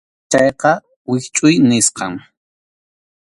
Chayqa wischʼuy nisqam.